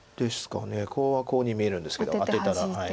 コウはコウに見えるんですけどアテたら。